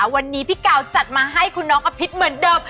วันนี้พี่กาวจัดมาให้คุณน้องอภิษเหมือนเดิม